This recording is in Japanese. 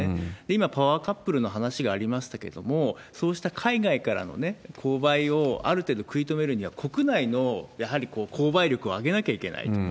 今、パワーカップルの話がありましたけれども、そうした海外からのね、購買をある程度食い止めるには、国内のやはり購買力を上げなきゃいけないと。